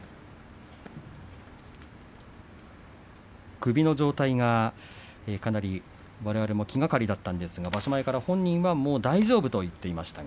首の状態がかなりわれわれも気がかりだったんですが場所前から本人はもう大丈夫と言っていました。